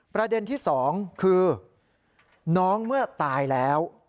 ประเด็นที่๒คือน้องเมื่อตายแล้ว